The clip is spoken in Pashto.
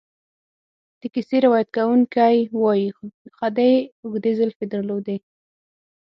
د کیسې روایت کوونکی وایي خدۍ اوږدې زلفې درلودې.